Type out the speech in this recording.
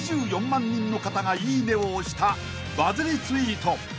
［２４万人の方が「いいね」を押したバズりツイート］